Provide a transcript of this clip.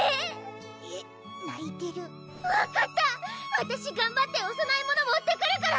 わたし頑張っておそなえ物持ってくるから！